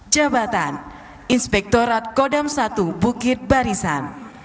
jabatan inspektorat kodam satu bukit barisan